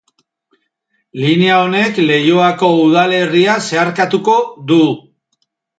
Linea honek Leioako udalerria zeharkatuko du.